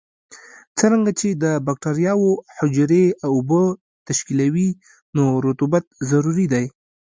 څرنګه چې د بکټریاوو حجرې اوبه تشکیلوي نو رطوبت ضروري دی.